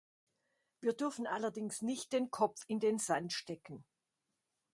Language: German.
Wir dürfen allerdings nicht den Kopf in den Sand stecken.